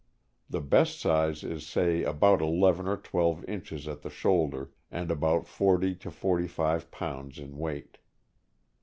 The best size is say about eleven or twelve inches at the shoulder and about forty to forty five pounds in weight.